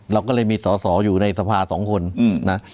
เราก็เลยมีสอสออยู่ในสภา๒คนนะ